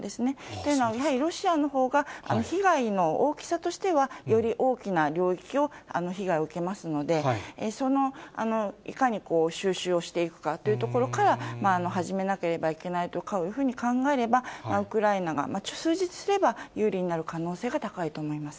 というのは、ロシアのほうが被害の大きさとしては、より大きな領域を、被害を受けますので、いかに収拾をしていくかというところから始めなければいけないというふうに考えれば、ウクライナが、数日すれば有利になる可能性が高いと思います。